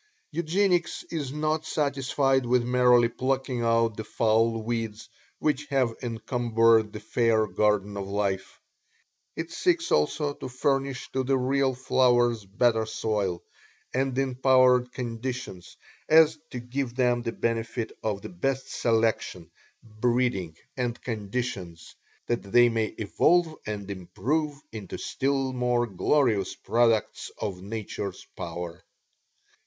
Eugenics is not satisfied with merely plucking out the foul weeds which have encumbered the fair garden of life it seeks also to furnish to the real flowers better soil, and improved conditions, and to give them the benefit of the best selection, breeding and conditions, that they may evolve and improve into still more glorious products of nature's power.